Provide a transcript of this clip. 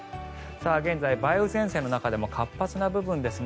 現在、梅雨前線の中でも活発な部分ですね。